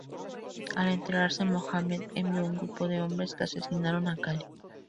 Al enterarse Mohammed, envió un grupo de hombres que asesinaron a Cali.